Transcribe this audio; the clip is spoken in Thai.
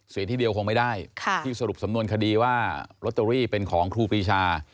เสียที่เดียวคงไม่ได้ที่สรุปสำนวนคดีว่าลอตเตอรี่เป็นของครูปรีชา